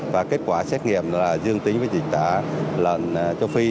và kết quả xét nghiệm là dương tính với dịch tả lợn châu phi